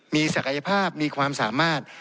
มีศักยภาพมีความสามารถ